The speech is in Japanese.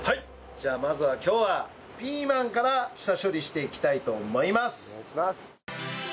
じゃあまずは今日はピーマンから下処理していきたいと思います。